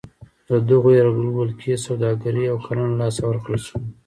د دغو یرغلګرو ولکې سوداګري او کرنه له لاسه ورکړل شوه.